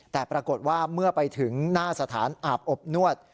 แต่ปรากฏว่าเมื่อไปถึงหน้าสถานอาบอบนวด